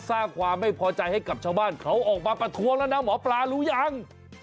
สร้างความไม่พอใจให้กับชาวบ้านเขาออกมาประท้วงแล้วนะหมอปลารู้ยัง